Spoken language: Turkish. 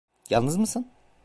Yalnız mısın?